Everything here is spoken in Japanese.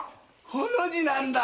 ホの字なんだ！